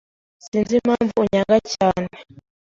Sinzi impamvu anyanga cyane.